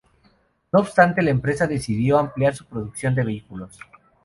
No obstante, la empresa decidió ampliar su producción a vehículos.